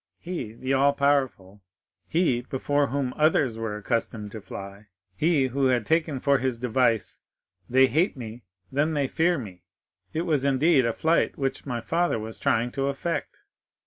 —he, the all powerful—he, before whom others were accustomed to fly—he, who had taken for his device, 'They hate me; then they fear me!' "It was, indeed, a flight which my father was trying to effect.